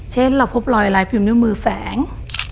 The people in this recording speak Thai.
เช่นเราพบรอยลายพิมพ์นิ้วมือแฝง